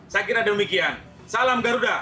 saya kira demikian salam garuda